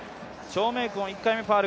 張溟鯤、１回目ファウル